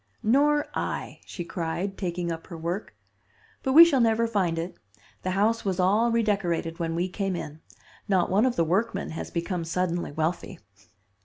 "Nor I," she cried, taking up her work. "But we shall never find it. The house was all redecorated when we came in. Not one of the workmen has become suddenly wealthy."